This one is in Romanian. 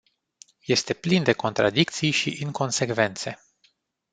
Este plin de contradicții și inconsecvențe.